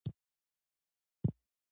هغوی د ژمنې په بڼه ژوند سره ښکاره هم کړه.